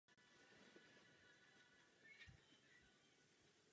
Oba však sdílí jedno tělo.